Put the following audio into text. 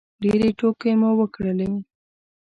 ډېرې ټوکې مو وکړلې